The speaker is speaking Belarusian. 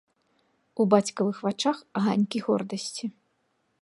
У бацькавых вачах аганькі гордасці.